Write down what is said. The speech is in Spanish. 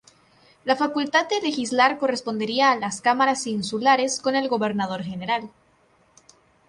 La facultad de legislar correspondería a las Cámaras insulares con el gobernador general.